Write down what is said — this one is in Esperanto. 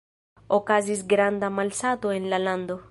Okazis granda malsato en la lando.